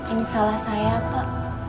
ini salah saya pak